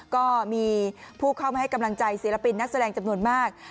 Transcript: ก็มีผู้เข้ามาให้กำลังใจศิลปินนักแสดงจำนวนมาก